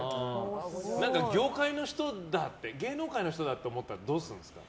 業界の人だって芸能界の人だって思ったら、どうするんですか？